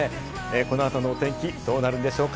この後のお天気、どうなるんでしょうか？